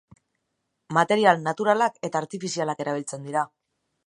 Material naturalak eta artifizialak erabiltzen dira.